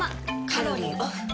カロリーオフ。